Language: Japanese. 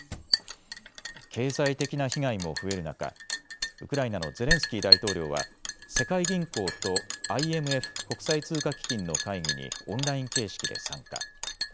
経済的な被害も増える中、ウクライナのゼレンスキー大統領は世界銀行とＩＭＦ・国際通貨基金の会議にオンライン形式で参加。